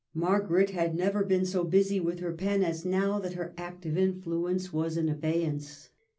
Margaret had never been so busy with her pen as now that her active influ ence was in abeyance.